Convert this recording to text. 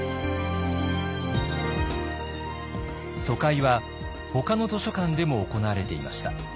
疎開はほかの図書館でも行われていました。